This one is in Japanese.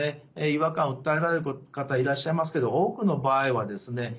違和感を訴えられる方いらっしゃいますけど多くの場合はですね